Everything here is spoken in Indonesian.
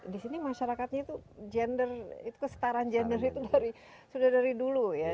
di sini masyarakatnya itu gender itu kesetaraan gender itu sudah dari dulu ya